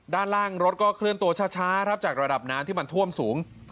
ด้านล่างรถก็เคลื่อนตัวช้าครับจากระดับน้ำที่มันท่วมสูง